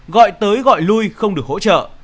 gọi tới gọi lui không được hỗ trợ